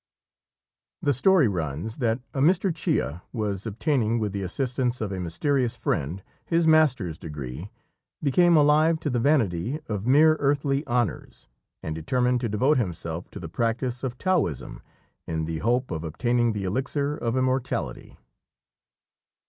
[The story runs that a Mr. Chia, after obtaining, with the assistance of a mysterious friend, his master's degree, became alive to the vanity of mere earthly honours, and determined to devote himself to the practice of Taoism, in the hope of obtaining the elixir of immortality.